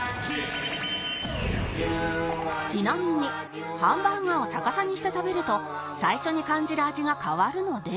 ちなみにハンバーガーを逆さにして食べると最初に感じる味が変わるので